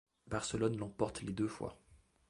Barcelone l'emporte les deux fois.